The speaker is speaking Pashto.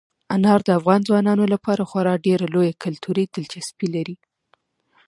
انار د افغان ځوانانو لپاره خورا ډېره لویه کلتوري دلچسپي لري.